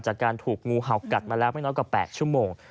จากการถูกงูเห่ากัดมาแล้วไม่น้อยกว่า๘ชั่วโมง